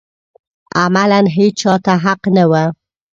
عملاً هېچا ته حق نه و